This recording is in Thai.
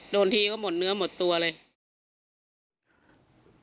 โดนทีก็หมดเนื้อหมดตัวเลย